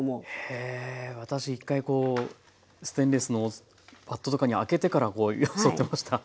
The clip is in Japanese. へえ私１回こうステンレスのバットとかにあけてからよそってました。